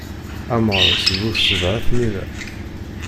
A Meɣres bu sebɛa tnila.